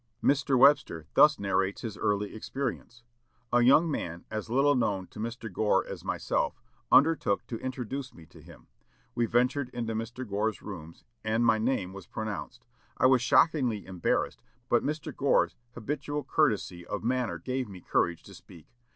Mr. Webster thus narrates his early experience: "A young man, as little known to Mr. Gore as myself, undertook to introduce me to him. We ventured into Mr. Gore's rooms, and my name was pronounced. I was shockingly embarrassed, but Mr. Gore's habitual courtesy of manner gave me courage to speak.